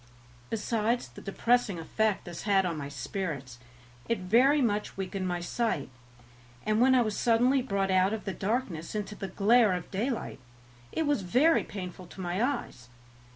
Besides the depressing effect this had on my spirits, it very much weakened my sight, and when I was suddenly brought out of the darkness into the glare of daylight it was very painful to my eyes.